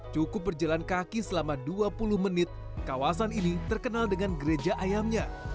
cukup berjalan kaki selama dua puluh menit kawasan ini terkenal dengan gereja ayamnya